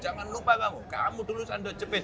jangan lupa kamu kamu dulu sandal jepit